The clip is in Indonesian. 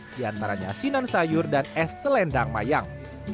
diantaranya asinan sayur dan es selendang mayang